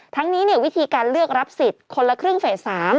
ทั้งนี้วิธีการเลือกรับสิทธิ์คนละครึ่งเฟส๓